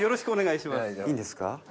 いいんですか？